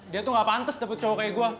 dia tuh nggak pantes dapet cowok kayak gua